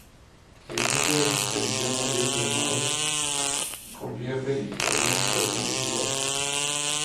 El junto con su expedición habría enfermado con fiebre y habrían perdido su barco.